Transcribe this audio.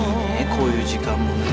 こういう時間もね。